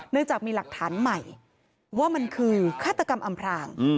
จากมีหลักฐานใหม่ว่ามันคือฆาตกรรมอำพราง